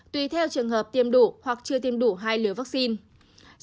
tùy theo trường hợp tiêm đủ hoặc chưa tiêm đủ hai liều vaccine